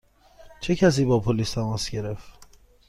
چه کسی با پلیس تماس گرفت؟